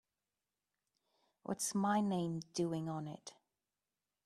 What's my name doing on it?